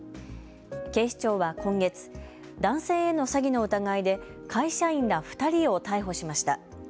警視庁は今月、男性への詐欺の疑いで会社員ら２人を逮捕しました。